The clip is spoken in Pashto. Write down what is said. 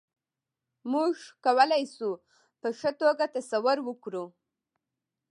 موږ کولای شو په ښه توګه تصور وکړو.